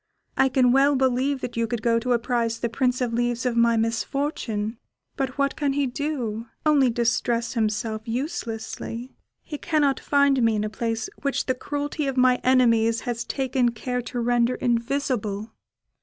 I can well believe that you could go to apprise the Prince of Leaves of my misfortune, but what can he do? only distress himself uselessly. He cannot find me in a place which the cruelty of my enemies has taken care to render invisible."